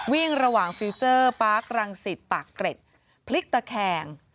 วิ่งระหว่างฟิลเจอร์ปาร์ครังสิตปากเกร็ดพลิกตะแคง